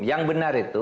yang benar itu